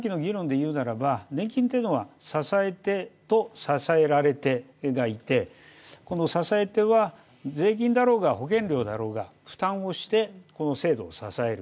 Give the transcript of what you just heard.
年金というのは支え手と支えられ手がいて支え手は、税金だろうが保険料だろうが負担をしてこの制度を支える。